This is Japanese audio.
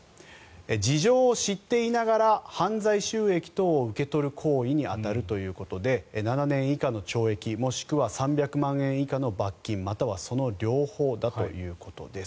事情を知っていながら犯罪収益等を受け取る行為に当たるということで７年以下の懲役もしくは３００万円以下の罰金またはその両方だということです。